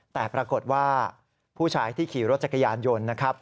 แต่ปรากฏว่าผู้ชายที่ขี่รถจักรยานยนต์นะครับ